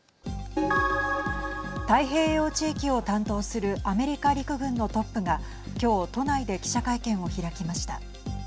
太平洋地域を担当するアメリカ陸軍のトップが今日、都内で記者会見を開きました。